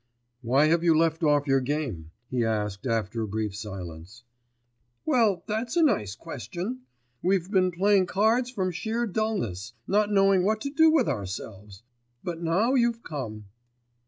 'Why have you left off your game?' he asked after a brief silence. 'Well, that's a nice question! We've been playing cards from sheer dulness, not knowing what to do with ourselves ... but now you've come.